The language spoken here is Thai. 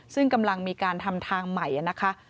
ซึ่งกำลังมีการทำทางใหม่นะคะ